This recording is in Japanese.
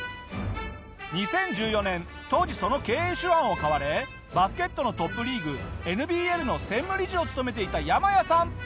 ２０１４年当時その経営手腕を買われバスケットのトップリーグＮＢＬの専務理事を務めていたヤマヤさん。